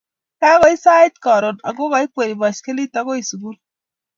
kakakoit sait karon ako kiakweri baskilit agoi sugul